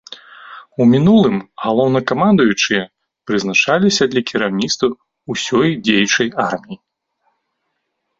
У мінулым галоўнакамандуючыя прызначаліся для кіраўніцтва ўсёй дзеючай арміяй.